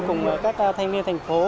cùng các thanh niên thành phố